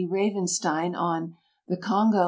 Ravenstein, on The Kongo an.